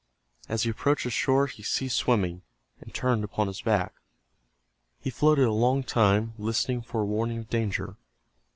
As he approached the shore he ceased swimming, and turned upon his back. He floated a long time, listening for a warning of danger.